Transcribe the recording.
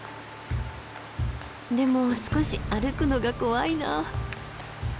でも少し歩くのが怖いな。